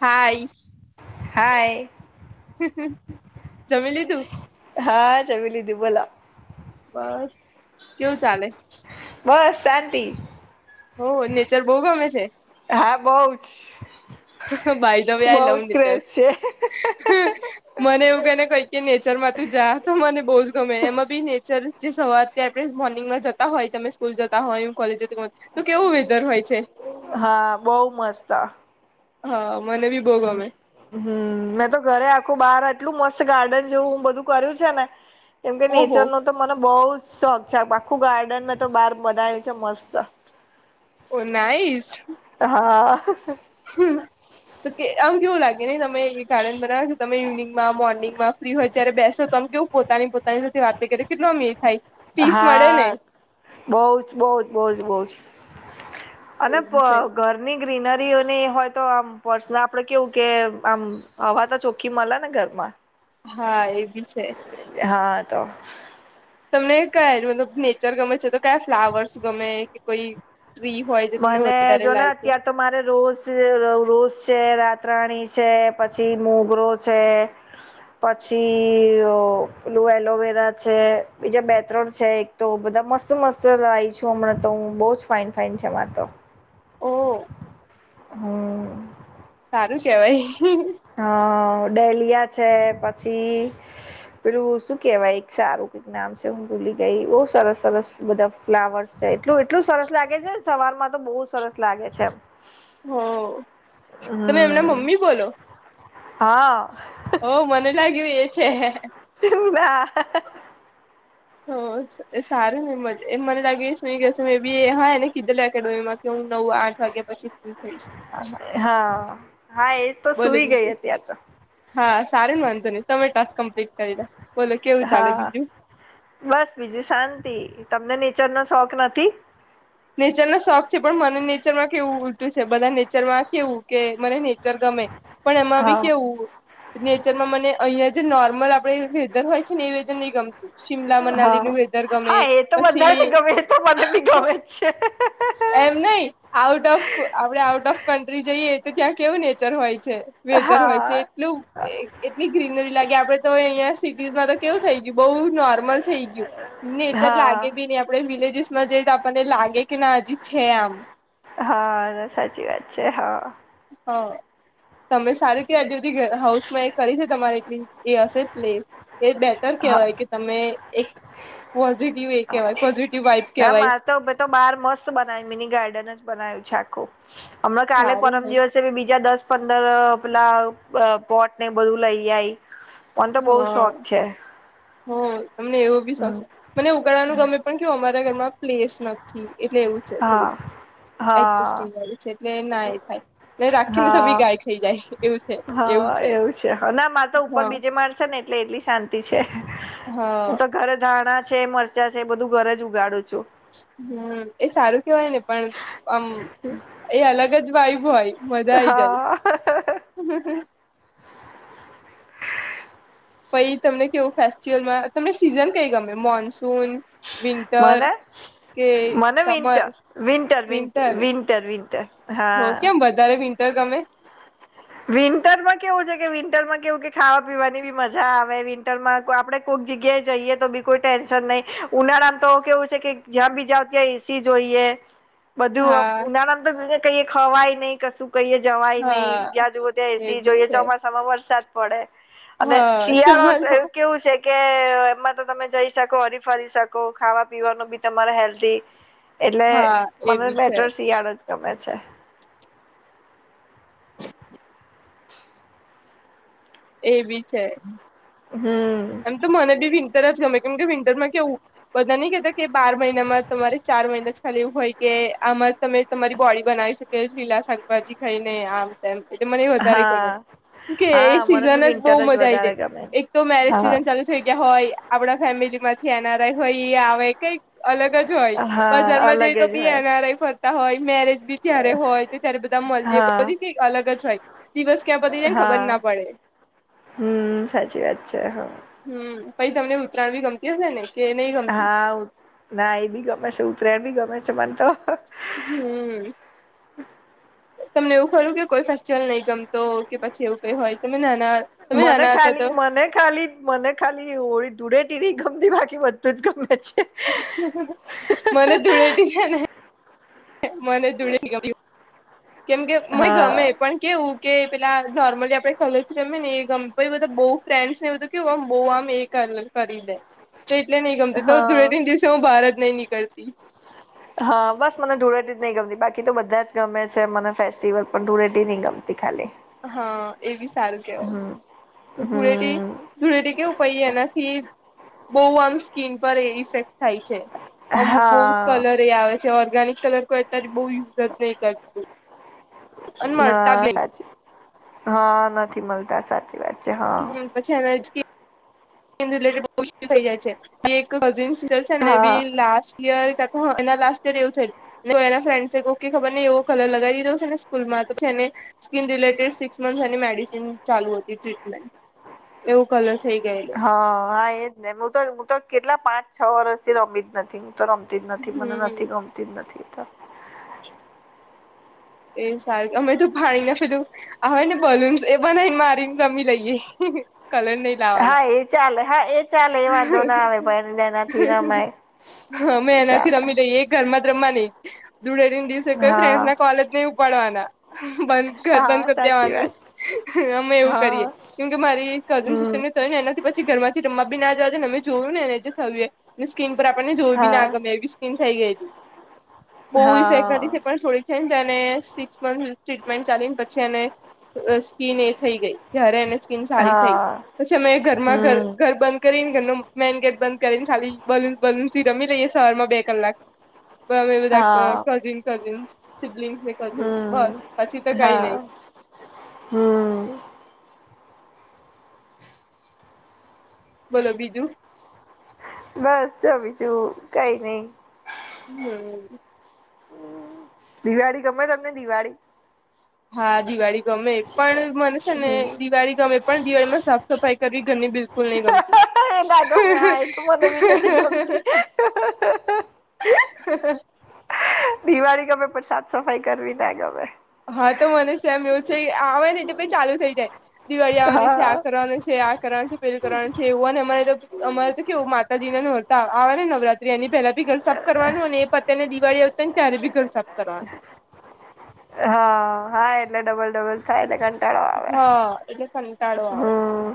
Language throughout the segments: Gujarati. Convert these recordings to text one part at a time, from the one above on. હાય હાય જમી લીધું હા જમી લીધુ બોલો બસ કેવું ચાલે બસ શાંતિ એવુ નેચર બહુ ગમે છે હા બઉ જ બાય બઉ જ ક્રેઝ છે હા મને એવું કને કઈ કે નેચરમાં તું જા તો મને બહુ જ ગમે એમાં બી નેચર જે સવાર ત આપણે મોર્નિંગમાં જતા હોય તમે સ્કૂલ જતા હોય કોલેજ જતી હોય તો કેવું વેધર હોય છે હા બઉ મસ્ત હા મનેબી હમ મેં તો ઘરે આખું બાર એટલું મસ્ત ગાર્ડન જેવું હું બધું કર્યું છે ને કેમ કે ઓહો નેચરનો તો મને બહુ જ શોખ છે આખું ગાર્ડનમાં તો બહાર બધા આવું છે મસ્ત ઓ નાઈસ હા આમ કેવું લાગે તમ તમે એ ગાર્ડન બનાવો તમે ઇવનિંગમાં મોર્નંગમાં ફ્રી હોય ત્યારે બેસો તોમ કે હું પોતાની પોતાની સાથે વાત કરી કેટલો આમ એ થાય પીસ મળે ને હા બઉ જ બઉ જ બહુ જ બહુ જ અને એ બી પ છે ઘર ની ગ્રીનરીઓની હોય તો આમ પર્સનલ આપડે કેવું કે આમ હવા તો છો કી મલે ને ઘરરમાં હા એ બી છે હા તો તમને કયા મતલબ નેચર ગમે છે તો કયા ફ્લાવર્સ ગમે કે કોઈ ફ્રી હોય જે તમને મને વધારે જો ને લાવ છે અત્યાર તો મારે રોજ રોજ છે રાત્ત્રણી છે પછી મોગરો છે પછી પેલું એલોવેરા છે બીજા બે ત્રણ છે એક તો બધા મસ્ત મસ્ત લાવી છું હમણાં તો હું બહુ જ ફાઈન ફાઇન છે મારે તો ઓ હમ સારું છે હ ડેલિયા છે પછી પેલું શું કેવાય એક સારું નામ છે હું ભૂલી ગઈ બઉ સરસ સરસ બધા ફ્લાવર્સ છે એટલું એટલું સરસ લાગે છે સવાર માં તો બહુ સરસ લાગે છે હો તમે એમના હમ મમ્મી બોલો હા ઓ મને લાગ્યું એ છે ના એ સારું ને મને લાગે શું [unintelligible] એકેડમમાં કે નવ આઠ વાગ્યા પછી ફ્રી થઈશ હા હા હા એ તો બોલો સુઈ ગઈ બીજું અત્યારે તો હા સારી ન માનતો નહી તમે ટાસ્ક કમ્પ્લીટ કરી દે બોલો કેવું ચાલે હા બીજું બસ બીજું શાંતિ તમને નેચર નો શોખ નથી નેચરનોો શોખ છે પણ મને નેચરમાં કેવું ઉલટું છે બધા નેચર માં કેવું કે મને નેચર ગમે પણ એમાં બી હા કેવુ નેચરમાં મને અહિયાં જે નોર્મલ આપડે વેધર હોય છે ને એ વેધર નહી ગમતુ હા હા એ તો પછી બધાને ગમે તો મને બી ગમે જ છે. એમ નહ આઉટ ઓફ આપણેે આઉટ ઓફ કન્ટ્રી જઈએ તો ત્યાં કેવું નેચર હોય છે. વેધર હોય છે, હા એટલુ એટલી ગ્રીનરી લાગી આપડે તો અહંયા સિટીઝમાં તો કેવું થઈ ગયું બઉુ નોર્મલ થઈ ગયુ. નેતર લાગે બી હા નઈ આપડે વિલેજીસ માં જઈ તો આપણને લાગે કે ના હજી છે, આમ હા સાચી વાત છે, હા હા તમે સારું કે આજુ બધી હાઉસ માં એક કરી છે, તમારેટલી એ એ પ્લેસ એ હા કેવાય કે તમે એક પોઝિટિવ એ કહેવાય પોઝિટિવ વાઇબ ના કેહેવાય મારે તો બાર મસ્ત બનાવી મિની ગાર્ડન જ બનાય્યુંાખું હમણા કાલે સારું પરમ ને દિવસ બીજા દસ પંદર પેલા પોટ ને બધું લઈ આઈ પણન તો બઉુ હા શોખ છે. હ તમને એવું બી હમ શોખશે મને ઉગળવાનું હમ. ગમે પણ કેવું અમા સુનગરમાં પ્લેસ નથી એટલે એવું છે, થોડુ હા હા એડજસ્ટિંગે છે, એટલે ના એ થાય રાખીને તો હા. બી ગાય ખાઈ જાય. હા એવું છે અને મારે તો ઉપર હા બીજે માણ ને એટલે એટલી શાંતિ છે હા હું તો ઘરે ધાણા છે, મ બચા છે એ બધું ઘર જ ઉગાડું છુ. હમ એ સારું કેવાય ને પણ આમ એ અલગ જ વાયબ હોય. મજા આાલ હા પછ તમને કેવું ફેસ્ટિવલમાં તમને સીઝન કઈ ગમે મોનસૂન વિન્ટર મલ કે મને સમર વિન્ટર વિન્ટર વિર વિન્ટર વિન્ટર હો હા. કેમ વધારે વિન્ટર ગમે વિન્ટરમાં કેવું છે કે વિન્ટરમાં કેવું કે ખાવા પીવાની બી મજા આવે વિન્ટરમાં આપડણે કોઈક જગ્યાએ જઈએ તો બી કોઈ ટેન્શન નહીિ ઉનાળામાં તો કેવું છે કે જ્યાં બીજાઓ ત્યાં એસી જોઈએ. [inaudible] બધું ઉનાળામાં તો કહી ખવાય નહી કશું કહીે જવાય, નહી હા જ્યાં જુવઓ ત્યાં એ એસી બી જોઈએ છે ચોમાસા માં વરસાદ પડે અને હા તમાર શિયાળો એવ કેવું છે. કે એમાં તો તમે જઈ શકો હરી ફરી શકો ખાવા પીવાનું બી તમારે હેલ્ધ એટલે હા એ મને બી છે બેટર શિયાળ જ ગમે છે. [inaudible] એ બી છે. હમ્મ એમ તો મને બી વિન્ટર જ ગમે કેમ કે વિન્ટર માં કેવુ બધા નહી કતા કે બાર મહિનામાં તમારે ચાર મહિના જ ખાલી એવું હોય કે આમાં તમે તમારી બોડી બનાવી શકો કે લીલા શાકભાજી ખાઈને આમ તેમમ એટલે મને વધારે ગમે હા કે એ હા મને બી સિઝન જ બહુ વિન્ટર મજા આ આવી વધારે જાય ગમે એક તો મેરેજ હા સિઝન થઈ ગયા હોય, આપડા ફેમિલી માંથી એના હોય આવે કઈ અલગ જ હોય હા બજારમાં જઈ અલગ તો જ બી હોય એનઆરઆઈ ફર હોય મેરેજ બી ત્યારે હોય તો ત્યારે, બધા મળ હા બધી અલગ જ હોય દિવસ ક્યાં બધી જને ખબર હા ના પડે હમ સાચી વાત છે, હા હમ પછી તમને ઉત્તરાયણ ભી ગમતી હશે ને કે નહી ગમતી હા ના એ બી ગમે છે ઉતરાયણ બી ગમે છે, મને તો હમ્મ તમને એવું ખરું કે કોઈ ફેસ્ટિવલ નહી, ગમતો કે પછી એવું કઈ હોય તમે નાના તમે મને નાના હતા ખાલી તો મને ખાલી મને ખાલી હોળી ને ધુળેટી નહી ગમતી બાકી બધું જ ગમે છે. [unintelligible] મને ધુળટી હેને મને ધુળેટી ગમી કેમ કે મને ગમે હા પણ કેવું કે પેલા નોર્મલી આપણે કલર થી રમીએ ને કમ્પની માં તો બઉ ફ્રેન્ડસ ને બધું કેવું આમ બહુ આમ એ કરી લે કરી દે તો એટલે નહી ગમતું તો હા ધુળેટી ની દિવસે હું બહાર જ નહી નીકળતી. [inaudible] હા બસ મને ધૂળેટી જ નહી ગમતી બાકી તો બધા જ ગમે છે મને ફેસ્ટિવલ પણ ધૂળેટી નહી ગમતી ખાલી હા એ બી સારું હમ કેહેવાય કે ધૂળેટી હમ ધૂળેટી કેવું કહીએ એનાથી બહુ આમ સ્કીન પર એ ઇફેક્ટ થાય છે. અમુક બહુ જ હા કલર એ આવે છે ઓર્ગેનિક કલર કોઈ અત્યારે બઉ યુઝ જ નહીં કર ના બી સાચી હા નથી મળતા સાચી વાત છે હા પછી અને હિચકી રીલેટેડ થઈ જાય છે એક કઝિન સિને હા બી લાસ્ટ ઇયર [unintelligible] એ ના લાસ્ટ યુઝર છે ને એના ફ્રેન્ડસે કો ખબર ને એવો કલર લગાવી દીધો છે ને સ્કૂલમાં તો છે એને સ્કીન રિલેટેડ સિક્સ મંથ એની મેડિસિન ચાલુ હતી ટ્રીટમેન્ટ એવું કલર થઈ ગએ હ હા એજ ને હું તો હું તો કેટલા પાંચ છ વર્ષ થી રમી જ નથી તો રમતી જ નથી મને હમ નથી ગમતી જ નથી કાય એ સારી અમે તો પાણી ના પેલું હવે ને બલૂન્સ એ બનાવીને મારીને રમી લઈએ કલર નઈ હા એ ચાલે હા એ ચાલે એ વાંધો ના આવે પણ એનાથી રમાય હા મેં એનાથી ચાલે રમી દઈએ એક ગરમાં રમવા નઈ ધૂળેટી દિવસે કોઈ ફ્રેન્ડ હા ના કોલેજ નહી ઉપાડવાના બંધ ઘર બંધ હા કરી સાચી દેવાનું વાત અમે એવું કરીએ હા કેમ કે મારી કઝન હમ સિસ્ટર ને તો ને એનાથી પછી ઘરમાંથી રમવા બી ના જાવ ને અમે જોયું ને જે થયું એ સ્કીન પર આપણને જોયું બી હા ના ગમે એવી સ્કીન થઈ ગઈ હતી બહુ ઇફેક્ટ હા નથી પણ થોડી એને સિક્સ મંથ ટ્રીટમેન્ટ ચાલી ને પછી એ સ્કીન એ થઈ ગઈ જય્યારે એને સ્કીન સારી થઈ હા પછી અમે ઘરમાં ઘર હમ ઘર બંધ કરીને ઘરનું મેન ગેટ બંધ કરીને ખાલી બલુન બલૂન થી રમી લઈએ સવારમાં બે કલાક બ મેં બધા હા કઝિન કઝિન્સ સિબલિંગ્સ કઝિન્સ બસ પછી તો કઈ નહી હમ્મ. બોલો બીજું બસ જમીશું કઈ નઈ હમ્મ. દિવાળી ગમે તમને દિવાળી હા દિવાળી ગમે પણ મને છે ને હમ. દિવાળી ગમે પણ દિવાળીમાં સાફ સફાઈ કરવી ઘરની બિલકુલ નહીં ગમતી. [inaudible] એ ના ગમે હા એ તો મને બી નથી ગમતી દિવાળી ગમે પણ સાફ સફાઈ કરવી ના ગમે. હા તો મને સેમ એવું છે આવે ને એટલે પછી ચાલુ થઈ જાય. દિવાળી આવવાની છે આ હા કરવાની છે આ કરવાનું છે પેલું કરવાનું છે એવું અને અમારે જો અમારે તો કેવું માતાજીને નહોરતા આવેવા ને નવરાત્રી એની પહેલા બી ઘર સાફ કરવાનું અને એ પતે ને દિવાળી તૈયારે બી ઘર સાફ કરવાનું હા હા એટલે ડબલ ડબલ થાયને કંટાળો આવે હા એટલે કંટાળો આવે હમ્મ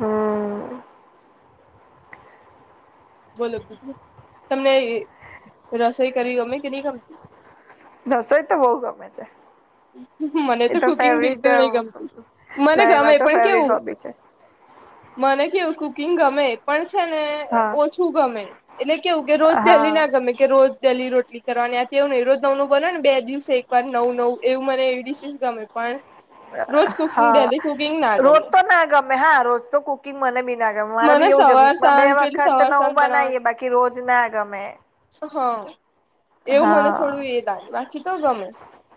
હમ્મ. બોલો બીજું તમને રસોઈ કરવી ગમે કે નહી ગમતી. રસોઈ તો બઉ ગમે છે. મને એ તો કુકિંગ ફેવટ બિલકુલ નહી ગમતી મને ના એમા ગમે તો પણ ફેવરેટ કેવું હોબી છે. મને કેવું કુકિંગ ગમે. પણ છે ને, હા ઓછું ગમે, એટલે કેવું કે રોજ પહેલી હા ના ગમે. કે રોજ ડેલી રોટલી કરવાની, અત્યાર નુ નહી રોજ નવું નવું બને ને બે દિવસે એક વાર નવું નવું. એવું મને એવી ડીશિસ ગમે, પણ રોજ કુકિંગ હા, ડેલી કુકિંગ ના રોજ ગમે તો ના ગમે હા, રોજ તો કુકિંગ મને બી ના ગમે, મને મારેબી એવું છે, સવાર વીકમાં બે સાંજ પેલું વખત સવાર સાંજ નવું બનાવીએ બનાવવાનું બાકી રોજ ના ગમે. હા, એવું મને હા થોડું એ લાગે બાકી તો ગમે.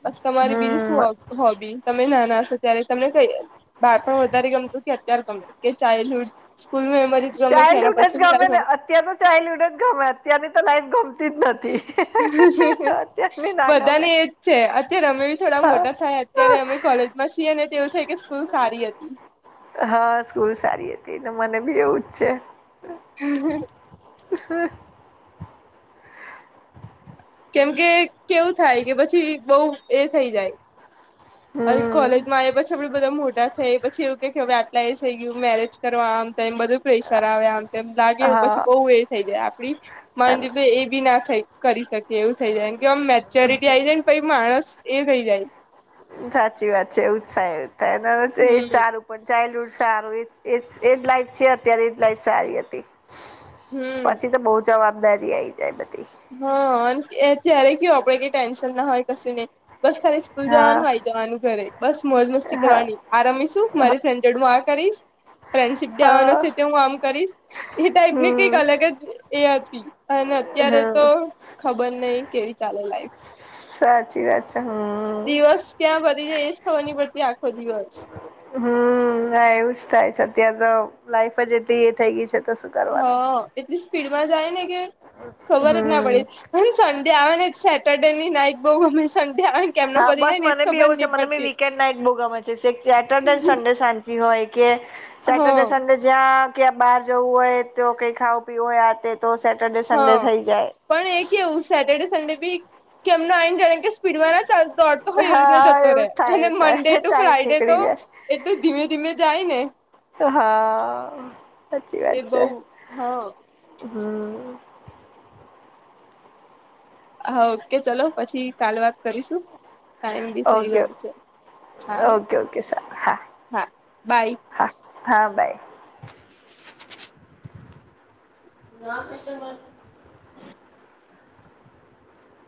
બસ તમારી બીજી શું હમ હો હોબી? તમે ના ના હશો ત્યારે તમને કઈએ બાળપણ વધારે ગમતું, કે અત્યારે ગમે, કે ચાઇલ્ડહુડ સ્કૂલ મેમરી ચાઇલ્ડહુડજ ગમેને, અત્યારનુ ચાઇલ્ડહુડજ ગમે, અત્યારની તો લાઈફ ગમતીજ નથી. [unintelligible] અત્યારની ના ગમે બધાને એજ છે, અત્યારે અમે બી થોડા હા મોટા થાયા, અત્યારે અમે કોલેજ મા છીએને, તો એવું થઈ કે સ્કૂલ સારી હતી. હા સ્કૂલ સારી હતી, ન મને બી એવુંજ છે. [unintelligible] કેમ કે કેવું થાય કે પછી બઉ એ થઈ જાય, અલ હમ કોલેજ માં આયે પછી આપડે બધા મોટા થઈ, પછી એવુંકે હવે આટલા એજ થઈ ગયું મેરેજ કરવા આમ. એમ બધું પ્રેશર આવે આમ. એમ લાગે એવુ પછી હા બહુ એ થઈ જાય, આપડી માન [unintelligible] એ બી ના થઈ કરી શક એવું થઇ જાયન, કે એમ મેચ્યોરિટી આઈ જાય ને પછી માણસ એ થઇ જાય. સાચી વાત છે, એવું જ થાય, [unintelligible] એ હમ સારું પણ ચાલ્ડહુડ સારું એજ એજ એજ લાઈફ છે અત્યારે, એજ લાઈફ સારી હતી, હમ પછી તો બહુજ જવાબદારી આઈ જાય બધી. હા, અન એ ત્યારે કયું આપડે કઈ ટેન્શન ના હોય કશુંને બસ ખાલી સ્કુલ હા જવાનું આઈ જવાનું ઘરે, બસ મોજ મસ્તી હા કરવાની, આ રામીશું, મારી ફ્રેન્ડ જોડ હું આ કરીશ. ફ્રેન્ડશીપ ડે આવાનો હા છે, તો હું આમ કરીશ. એ ટાઈપની કઈક અલગ હમ જ એ હતી, અને અત્યારે તો હા ખબર નહિ કેવી ચાલે લાયીફ. સાચી વાત છે, હમ્મ ત્યાં પતીજાય એજ ખબની પડતી આખો દિવસ. હમ્મ, ના એવું જ થાય છે અત્યારે તો, લાઈફજ એટલી એ થઈ ગઈ છે તો શું કરવાનું હા, એટલી સ્પીડમાં જાય ને કે, ખબર જ ના પડે. હમ જેમ સન્ડે આવેને, સેટરડે ની નાઈટ બહુ ગમે, સન્ડે આવે કેમનો હા પતી બસ જાય ને એજ મનેબી ખબર એવું છે, નહી મનેબી પડતી વીકેન્ડ નાઈટ બહુ ગમે છે, સીક સેટરડે, સન્ડે શાંતિ હોય કે. સેટરડે, હા સંડે જ્યાં ક્યાં બહાર જવું હોય, તો કઈ ખાવું પીવું હોય, આતે તો સેટરડે, સન્ડે હા થઈ જાય. પણ એ કેવું સેટરડે, સન્ડે ભી, કેમના આઈને જાણે કે સ્પીડમાં ના ચાલ દોડતો હોય એવિરીતને હા જતો એવું રેહ, જ થાય અને એવું મંડે થાય ટુ ટાઈમ ફ્રાયડે તો નીકળી જાય એતો ધીમે ધીમે જાય ને. હા, સાચી વાત એ બઉ છે, હા હમ્મ હા, ઓકે ચલો પછી કાલે વાત કરીશું, ટાઈમ બી થઈ ઓકે ગયો ઓકે છે. હા ઓકે ઓકે સર હા, હા બાય હા, હા બાય. [unintelligible]